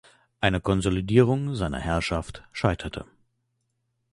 Eine Konsolidierung seiner Herrschaft scheiterte.